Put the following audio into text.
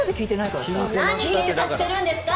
何けんかしてるんですか？